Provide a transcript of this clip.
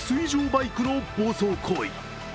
バイクの暴走行為。